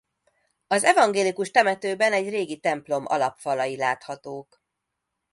Az evangélikus temetőben egy régi templom alapfalai láthatók.